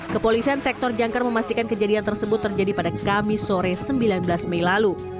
kepolisian sektor jangkar memastikan kejadian tersebut terjadi pada kamis sore sembilan belas mei lalu